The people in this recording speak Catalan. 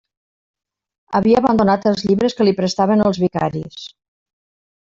Havia abandonat els llibres que li prestaven els vicaris.